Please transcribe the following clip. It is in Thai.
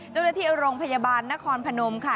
เจ้าหน้าที่โรงพยาบาลนครพนมค่ะ